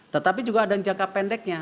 tetapi juga ada yang jangka pendeknya